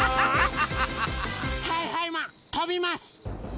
はいはいマンとびます！